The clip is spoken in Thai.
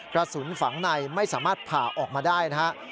กระสุนฝังในไม่สามารถผ่าออกมาได้นะครับ